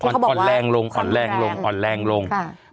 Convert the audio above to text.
อ่อนแรงลง